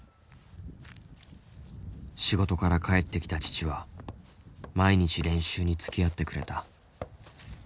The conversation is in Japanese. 仕事から帰ってきた父は毎日練習につきあってくれた。